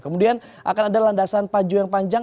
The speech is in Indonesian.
kemudian akan ada landasan paju yang panjang